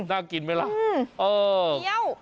น่ากินไหมล่ะเออเคี้ยว